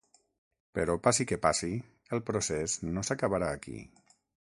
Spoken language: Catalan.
Però passi què passi, el procés no s’acabarà aquí.